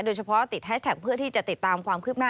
โดยเฉพาะติดแฮชแท็กเพื่อที่จะติดตามความคลิบหน้า